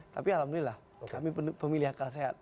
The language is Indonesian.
tapi alhamdulillah kami pemilih akal sehat